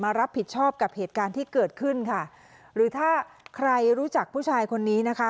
รับผิดชอบกับเหตุการณ์ที่เกิดขึ้นค่ะหรือถ้าใครรู้จักผู้ชายคนนี้นะคะ